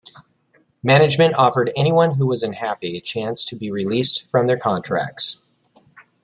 Management offered anyone who was unhappy a chance to be released from their contracts.